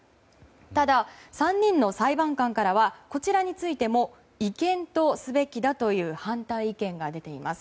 ただ、３人の裁判官からはこちらについても違憲とすべきだという反対意見が出ています。